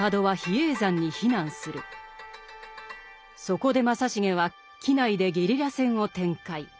そこで正成は畿内でゲリラ戦を展開。